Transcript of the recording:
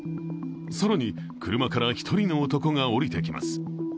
更に、車から１人の男が降りてきます。